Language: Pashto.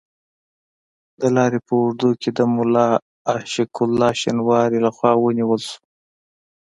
د لارې په اوږدو کې د ملا عاشق الله شینواري له خوا ونیول شو.